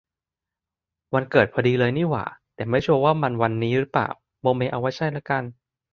วันเกิดพอดีเลยนี่หว่า แต่ไม่ชัวร์ว่ามันวันนี้รึเปล่า โมเมเอาว่าใช่ละกัน